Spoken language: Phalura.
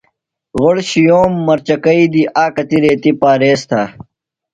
غوۡڑ شِیوم مرچکئی دی آ کتیۡ ریتیۡ پاریز تھہ۔